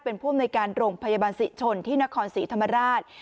เป็นผู้ในการโด่งพยาบาลสิทธิ์ชนที่นครศรีธรรมราช